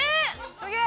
すげえ！